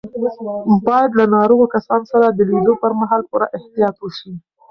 باید له ناروغو کسانو سره د لیدو پر مهال پوره احتیاط وشي.